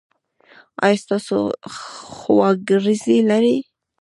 ایا تاسو خواګرځی لری؟